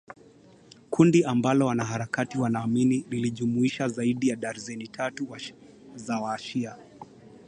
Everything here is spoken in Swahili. kundi ambalo wanaharakati wanaamini lilijumuisha zaidi ya darzeni tatu za washia